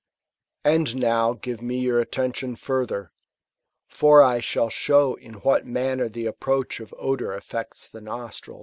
^ And now give me your 2Xt&at\on further; fOr I shall show in what manner the approach of odour affects the nostrils.